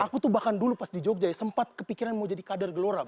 aku tuh bahkan dulu pas di jogja ya sempat kepikiran mau jadi kader gelora